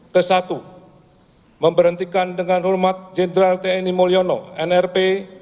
kesatu memberhentikan dengan hormat jenderal tni mulyono nrp dua puluh sembilan ribu lima ratus sembilan puluh tiga